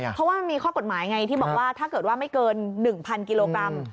เพราะว่ามันมีข้อกฎหมายไงที่บอกว่าถ้าเกิดว่าไม่เกิน๑๐๐กิโลกรัม